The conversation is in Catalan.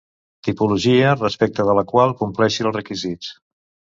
Tipologia respecte de la qual compleixi els requisits.